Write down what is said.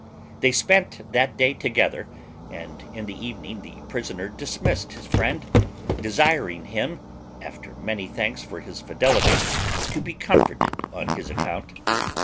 They spent that day together, and in the evening the prisoner dismissed his friend, desiring him, after many thanks for his fidelity, to be comforted on his account.